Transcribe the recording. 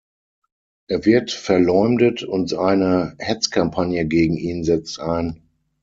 Er wird verleumdet und eine Hetzkampagne gegen ihn setzt ein.